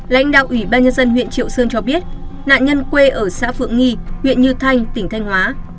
lãnh đạo ủy ban nhân dân huyện triệu sơn cho biết nạn nhân quê ở xã phượng nghi huyện như thanh tỉnh thanh hóa